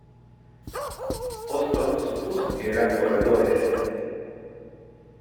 Ostrom supuso que eran corredores.